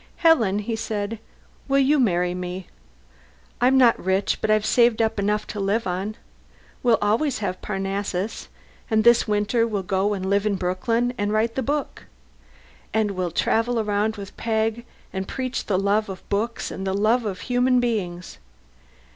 "Helen," he said. "Will you marry me? I'm not rich, but I've saved up enough to live on. We'll always have Parnassus, and this winter we'll go and live in Brooklyn and write the book. And we'll travel around with Peg, and preach the love of books and the love of human beings.